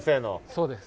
そうです。